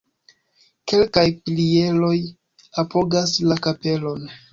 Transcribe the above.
Kelkaj pilieroj apogas la kapelon.